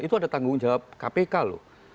itu ada tanggung jawab kpk loh